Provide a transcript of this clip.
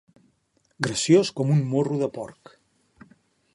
Graciós com un morro de porc.